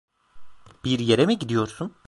Bir yere mi gidiyorsun?